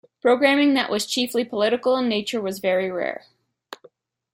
Programming that was chiefly political in nature was very rare.